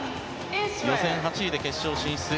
予選８位で決勝進出。